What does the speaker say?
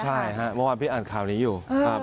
ใช่วันวันพี่อ่านข่าวนี้อยู่